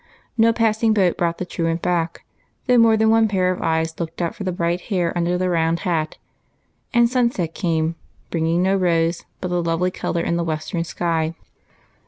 No passing boat brought the truant back, though more than one pair of eyes looked out for the bright hair under the round hat ; and sunset came, bringing no Rose but the lovely color in the western sky.